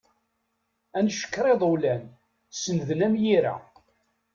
Ad ncekker iḍulan, senden am yira.